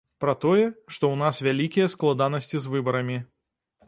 Пра тое, што ў нас вялікія складанасці з выбарамі.